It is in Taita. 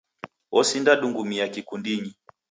Osinda dungumia kikundinyi